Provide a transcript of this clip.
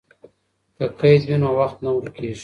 که قید وي نو وخت نه ورکېږي.